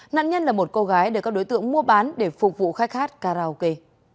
nạn nhân là một cô gái được các đối tượng mua bán để phục vụ khách hát karaoke